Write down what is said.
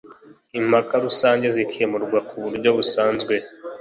impaka rusange zikemurwa ku buryo busanzwe.